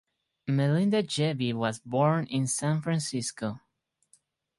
Melinda Gebbie was born in San Francisco.